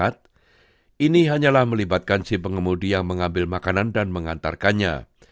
ini hanyalah melibatkan si pengemudi yang mengambil makanan dan mengantarkannya